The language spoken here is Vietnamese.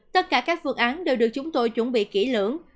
tất cả các phương án đều được chúng tôi chuẩn bị kỹ lưỡng